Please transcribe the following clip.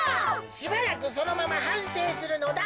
しばらくそのままはんせいするのだ。